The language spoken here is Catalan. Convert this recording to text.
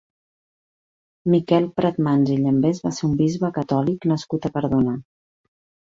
Miquel Pratmans i Llambés va ser un bisbe catòlic nascut a Cardona.